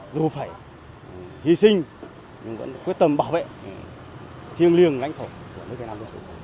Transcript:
dù phải hy sinh nhưng vẫn quyết tâm bảo vệ thiêng liêng lãnh thổ của nước việt nam rồi